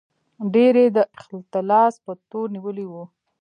ډېر یې د اختلاس په تور نیولي وو.